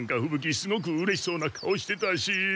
すごくうれしそうな顔してたし。